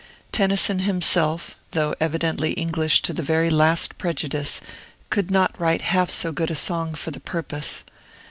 Tennyson himself, though evidently English to the very last prejudice, could not write half so good a song for the purpose.